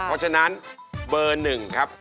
เพราะฉะนั้นเบอร์๑ครับ